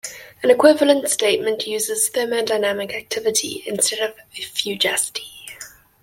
An equivalent statement uses thermodynamic activity instead of fugacity.